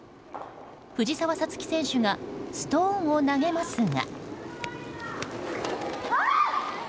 藤澤五月選手がストーンを投げますが。